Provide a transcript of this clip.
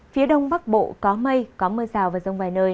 phía đông bắc bộ có mây có mưa rào và rông vài nơi